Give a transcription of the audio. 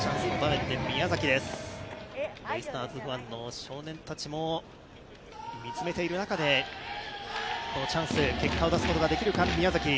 ベイスターズファンの少年たちも見つめている中でチャンス、結果を出すことができるか、宮崎。